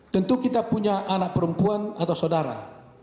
tentu kita punya anak perempuan atau saudara